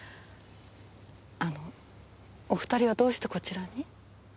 あのお二人はどうしてこちらに？